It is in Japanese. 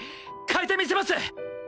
変えてみせます！